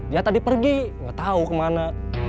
dia tadi pergi nggak tahu kemana